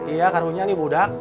iya karunya nih budak